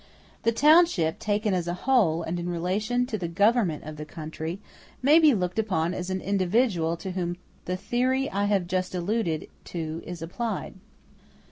The township, taken as a whole, and in relation to the government of the country, may be looked upon as an individual to whom the theory I have just alluded to is applied.